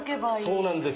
そうなんです。